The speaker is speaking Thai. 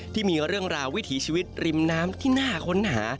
ที่มีเรื่องราววิถีชีวิตริมน้ำที่น่าค้นหา